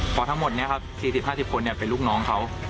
เพราะทั้งหมดนี้ครับ๔๐๕๐คนเป็นลูกน้องเขา